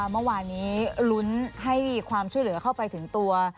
เมื่อวานนี้ลุ้นให้ความช่วยเหลือเข้าไปถึงตัว